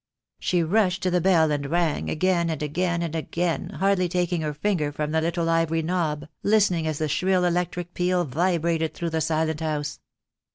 She rushed to the bell and rang again, and again, and again, hardly taking her finger from the little ivory knob, listening as the shrill electric peal vibrated through the silent house.